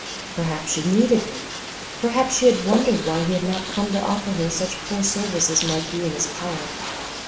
Perhaps she needed him perhaps she had wondered why he had not come to offer her such poor service as might be in his power.